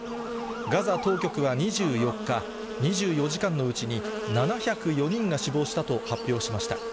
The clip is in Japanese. ガザ当局は２４日、２４時間のうちに７０４人が死亡したと発表しました。